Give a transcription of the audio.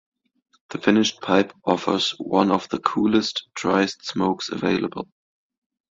The finished pipe offers one of the coolest, driest smokes available.